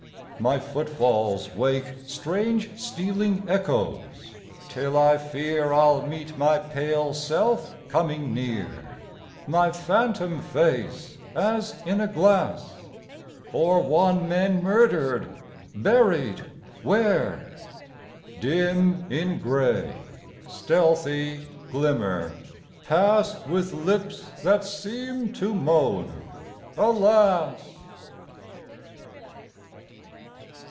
My footfalls wake Strange stealing echoes, till I fear I'll meet my pale self coming near; My phantom face as in a glass; Or one men murdered, buried where? Dim in gray, stealthy glimmer, pass With lips that seem to moan "Alas."